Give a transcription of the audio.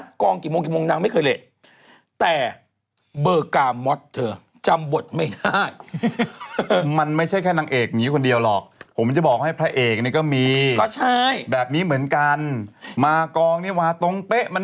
ตรงตรงป๊ะก็ตะกัน